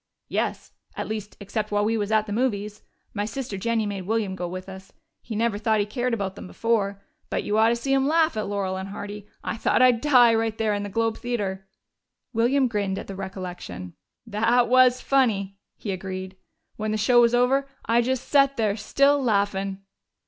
"Yes. At least, except while we was at the movies. My sister Jennie made William go with us he never thought he cared about them before. But you ought to see him laugh at Laurel and Hardy. I thought I'd die, right there in the Globe Theater." William grinned at the recollection. "They was funny," he agreed. "When the show was over, I just set there, still laughin'!"